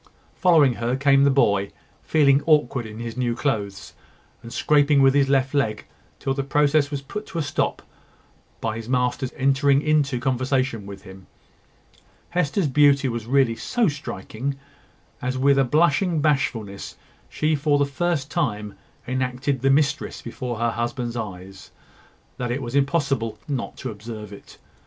Following her came the boy, feeling awkward in his new clothes, and scraping with his left leg till the process was put a stop to by his master's entering into conversation with him. Hester's beauty was really so striking, as with a blushing bashfulness, she for the first time enacted the mistress before her husband's eyes, that it was impossible not to observe it.